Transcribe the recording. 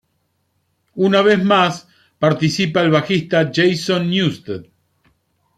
Una vez más participa el bajista Jason Newsted.